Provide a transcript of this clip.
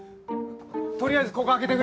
とりあえずここ開けてくれ。